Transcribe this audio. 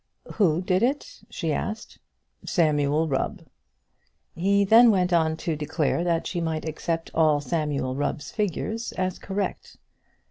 "Who did it?" she asked. "Samuel Rubb." He then went on to declare that she might accept all Samuel Rubb's figures as correct.